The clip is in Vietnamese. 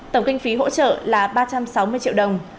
tổng kinh phí hỗ trợ là ba trăm sáu mươi triệu đồng